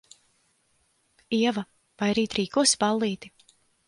Ieva, vai rīt rīkosi ballīti?